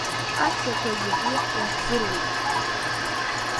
Аҳәсақәа зегьы иаҳзыруит.